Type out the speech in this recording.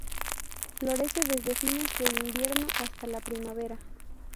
Florece desde fines de invierno hasta la primavera.